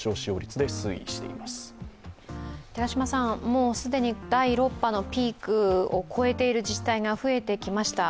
もう既に第６波のピークを超えている自治体が増えてきました。